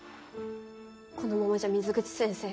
このままじゃ水口先生